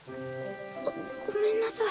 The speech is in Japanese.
あっごめんなさい。